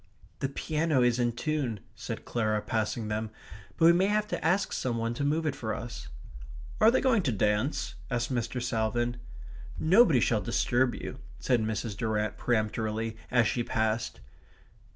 "The piano is in tune," said Clara, passing them, "but we may have to ask some one to move it for us." "Are they going to dance?" asked Mr. Salvin. "Nobody shall disturb you," said Mrs. Durrant peremptorily as she passed.